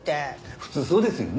普通そうですよね？